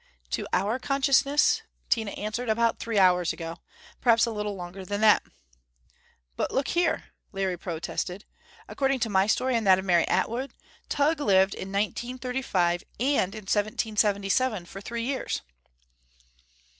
"To our consciousness," Tina answered, "about three hours ago. Perhaps a little longer than that." "But look here," Larry protested: "according to my story and that of Mary Atwood, Tugh lived in 1935 and in 1777 for three years."